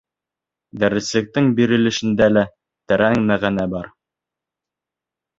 Дәреслектең бирелешендә лә тәрән мәғәнә бар.